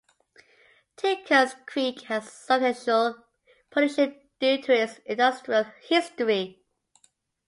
Tinker's Creek has substantial pollution due to its industrial history.